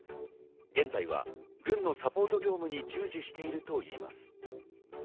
現在は軍のサポートに従事しているといいます。